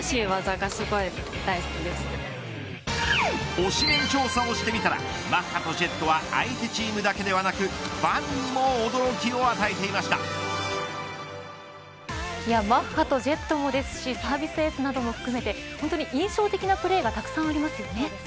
推しメン調査をしてみたらマッハとジェットは相手チームだけではなくファンにもマッハとジェットもですしサービスエースなども含めて本当に、印象的なプレーがたくさんありますよね。